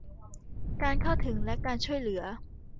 การเข้าถึงและการช่วยเหลือ